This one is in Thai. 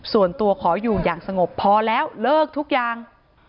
ส่วนตัวขออยู่อย่างสงบพอแล้วเลิกทุกอย่าง